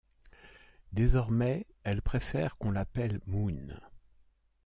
Désormais, elle préfère qu'on l'appelle Moon.